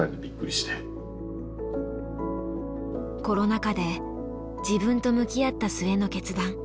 コロナ禍で自分と向き合った末の決断。